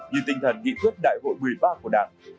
như tinh thần nghị quyết đại hội một mươi ba của đảng